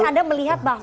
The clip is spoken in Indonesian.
jadi anda melihat bahwa